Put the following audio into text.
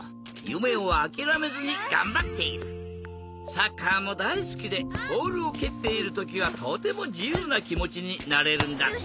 サッカーもだいすきでボールをけっているときはとてもじゆうなきもちになれるんだって。